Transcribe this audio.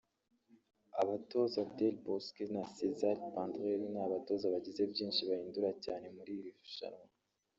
Abatoza Del Bosque na Cesare Prandelli ni abatoza bagize byinshi bahindura cyane muri iri rushanwa